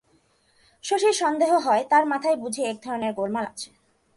শশীর সন্দেহ হয়, তার মাথায় বুঝি একধরনের গোলমাল আছে।